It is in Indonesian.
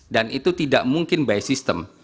dan itu tidak mungkin by system